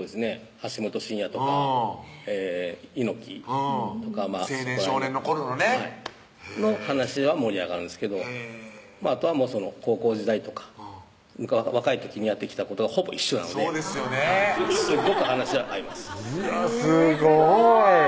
橋本真也とか猪木とか青年・少年の頃のねの話では盛り上がるんですけどあとは高校時代とか若い時にやってきたことがほぼ一緒なのですっごく話は合いますいや